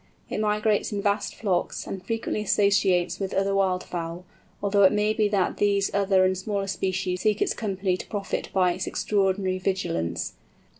It migrates in vast flocks, and frequently associates with other wild fowl, although it may be that these other and smaller species seek its company to profit by its extraordinary vigilance.